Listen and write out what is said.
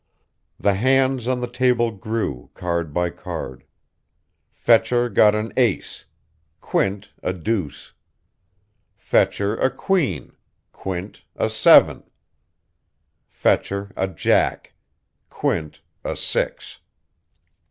"The hands on the table grew, card by card. Fetcher got an ace, Quint a deuce. Fetcher a queen, Quint a seven. Fetcher a jack, Quint a six.